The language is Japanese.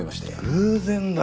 偶然だ。